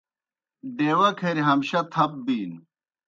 ڈیوہ کھریْ ہمشہ تھپ بِینوْ